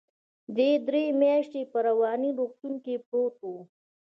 دى درې مياشتې په رواني روغتون کې پروت و.